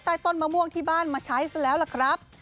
ต้นมะม่วงที่บ้านมาใช้ซะแล้วล่ะครับ